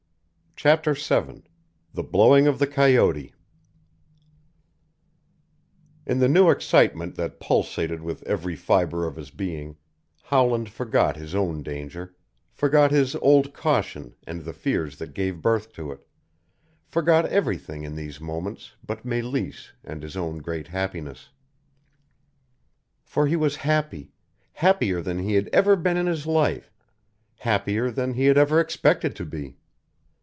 CHAPTER VII THE BLOWING OF THE COYOTE In the new excitement that pulsated with every fiber of his being, Howland forgot his own danger, forgot his old caution and the fears that gave birth to it, forgot everything in these moments but Meleese and his own great happiness. For he was happy, happier than he had ever been in his life, happier than he had ever expected to be.